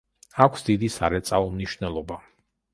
აქვს დიდი სარეწაო მნიშვნელობა.